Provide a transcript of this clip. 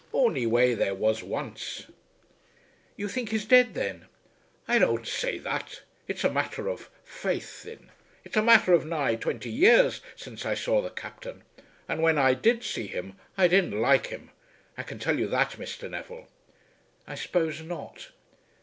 "Ony way there was once." "You think he's dead then?" "I don't say that. It's a matter of, faith, thin, it's a matter of nigh twenty years since I saw the Captain. And when I did see him I didn't like him. I can tell you that, Mr. Neville." "I suppose not."